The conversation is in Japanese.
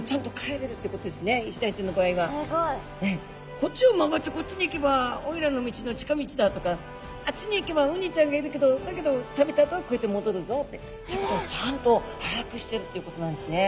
「こっちを曲がってこっちに行けばオイラの道の近道だ」とか「あっちに行けばウニちゃんがいるけどだけど食べたあとはこうやってもどるぞ」ってちゃんと把握してるっていうことなんですね。